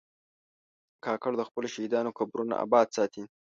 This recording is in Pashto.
کاکړ د خپلو شهیدانو قبرونه آباد ساتي.